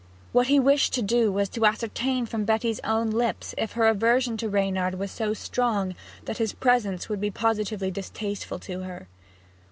What he wished to do was to ascertain from Betty's own lips if her aversion to Reynard was so strong that his presence would be positively distasteful to her.